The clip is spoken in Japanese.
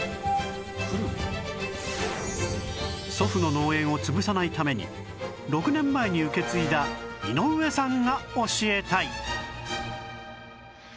祖父の農園を潰さないために６年前に受け継いだ井上さんが教えたい